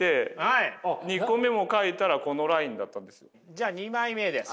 じゃあ２枚目です。